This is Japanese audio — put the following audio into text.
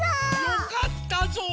よかったぞう。